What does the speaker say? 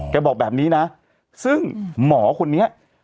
บอกแบบนี้นะซึ่งหมอคนนี้